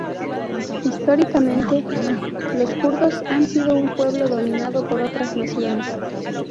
Históricamente, los kurdos han sido un pueblo dominado por otras naciones.